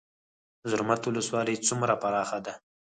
زرمت ولسوالۍ څومره پراخه ده؟